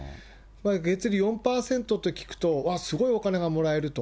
月利４％って聞くと、わっ、すごいお金がもらえると。